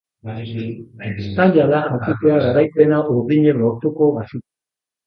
Zaila da jakitea garaipena urdinek lortuko bazuten.